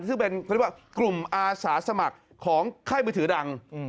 ซึ่งเป็นกลุ่มอาสาสมัครของไข้มือถือดัง